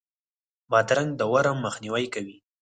بادرنګ د ورم مخنیوی کوي.